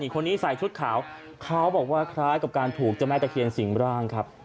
คนนี้ใส่ชุดขาวเขาบอกว่าคล้ายกับการถูกเจ้าแม่ตะเคียนสิ่งร่างครับ